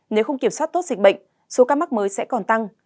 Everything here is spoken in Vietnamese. nếu không kiểm soát tốt dịch bệnh số ca mắc mới sẽ còn tăng